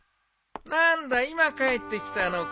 何だ今帰ってきたのか。